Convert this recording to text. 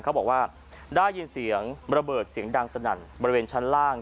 เขาบอกว่าได้ยินเสียงระเบิดเสียงดังสนั่นบริเวณชั้นล่าง